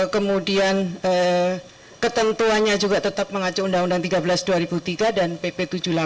kemudian ketentuannya juga tetap mengacu undang undang tiga belas dua ribu tiga dan pp tujuh puluh delapan